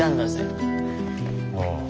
ああ。